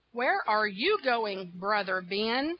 Where are you going, brother Ben?